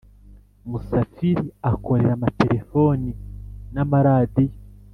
Musafili akorera amatelefoni namaradiyo